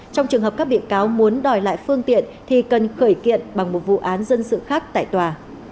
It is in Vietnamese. trong trường hợp các bị cáo muốn đòi lại phương tiện thì cần khởi kiện bằng một vụ án dân sự khác tại tòa